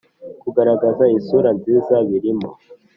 Kugaragaza isura nziza birimo